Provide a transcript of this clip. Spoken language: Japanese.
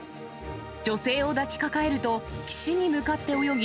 女性を抱きかかえると、岸に向かって泳ぎ、